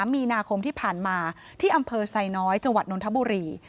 มีนาคมที่ผ่านมาที่อำเภอไซน้อยจังหวัดนนทบุรี